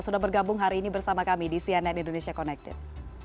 sudah bergabung hari ini bersama kami di cnn indonesia connected